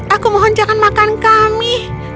aku mohon jangan makan kami